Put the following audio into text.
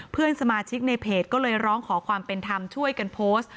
เพื่อนสมาชิกในเพจก็เลยร้องขอความเป็นธรรมช่วยกันโพสต์